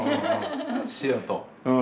塩と。